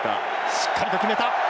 しっかりと決めた。